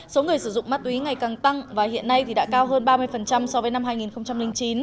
số người sử dụng ma túy ngày càng tăng và hiện nay đã cao hơn ba mươi so với năm hai nghìn chín